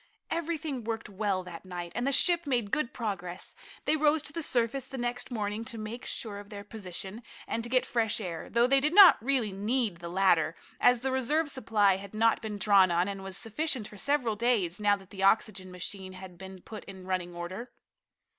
Everything worked well that night, and the ship made good progress. They rose to the surface the next morning to make sure of their position, and to get fresh air, though they did not really need the latter, as the reserve supply had not been drawn on, and was sufficient for several days, now that the oxygen machine had been put in running order.